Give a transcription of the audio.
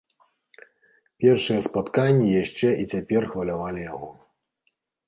Першыя спатканні яшчэ і цяпер хвалявалі яго.